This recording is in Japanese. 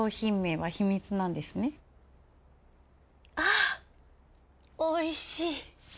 あおいしい。